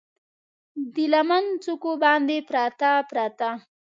د لمن څوکو باندې، پراته، پراته